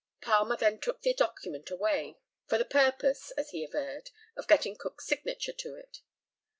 Palmer then took the document away, for the purpose, as he averred, of getting Cook's signature to it.